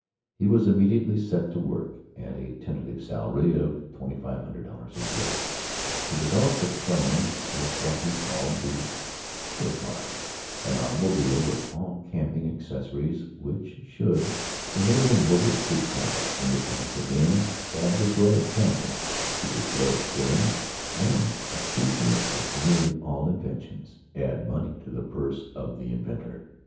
He was immediately set to work at a tentative salary of $2,500 a year, to develop the plans of what he called the "Touricar"—an automobile with all camping accessories, which should enable motorists to travel independent of inns, add the joy of camping to the joy of touring, and—a feature of nearly all inventions—add money to the purse of the inventor.